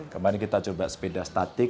kemarin kita coba sepeda statik